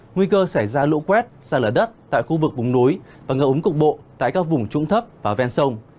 nguy cơ xảy ra lũ quét xa lở đất tại khu vực vùng núi và ngập ống cục bộ tại các vùng trũng thấp và ven sông